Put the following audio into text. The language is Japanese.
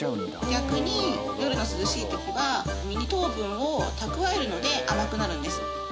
逆に夜の涼しい時は実に糖分を蓄えるので甘くなるんです。